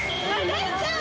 大ちゃん！